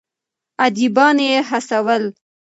اديبان يې هڅول.